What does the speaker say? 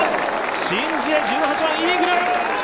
シン・ジエ１８番イーグル。